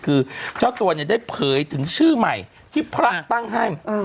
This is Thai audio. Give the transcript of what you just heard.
คือเจ้าตัวเนี่ยได้เผยถึงชื่อใหม่ที่พระตั้งให้